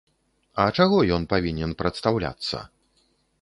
А чаго ён павінен прадстаўляцца?